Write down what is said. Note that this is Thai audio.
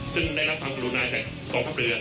ซึ่งได้รับความกรุณาจากกองทัพเรือ